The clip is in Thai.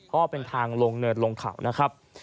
ก็เป็นทางลงเนินลงเขานะครับ